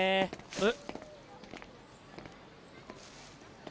えっ？